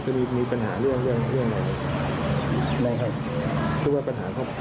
คิดว่าปัญหาเขาป่วยเหรอ